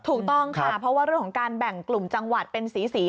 ถูกต้องค่ะเพราะว่าเรื่องของการแบ่งกลุ่มจังหวัดเป็นสี